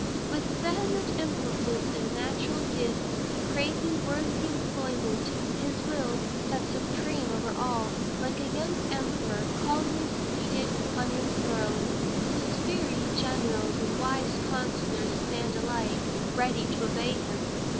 With vehement impulses and natural gifts, craving worthy employment, his will sat supreme over all, like a young emperor calmly seated on his throne, whose fiery generals and wise counsellors stand alike ready to obey him.